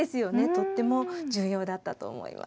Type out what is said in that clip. とっても重要だったと思います。